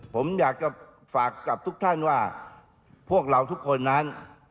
ผมอยากจะฝากกับทุกท่านว่าพวกเราทุกคนนั้น